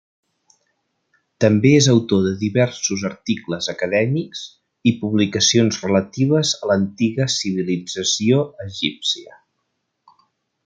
També és autor de diversos articles acadèmics i publicacions relatives a l'antiga civilització egípcia.